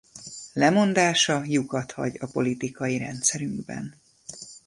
Lemondása lyukat hagy a politikai rendszerünkben.